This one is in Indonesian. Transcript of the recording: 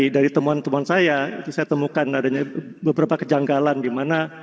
dari temuan temuan saya itu saya temukan adanya beberapa kejanggalan di mana